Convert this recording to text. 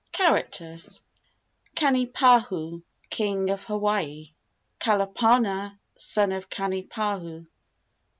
CHARACTERS. Kanipahu, king of Hawaii. Kalapana, son of Kanipahu.